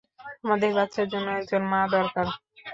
আমাদের বাচ্চার জন্য একজন মা দরকার।